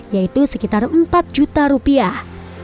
yaitu sekitar empat juta rupiah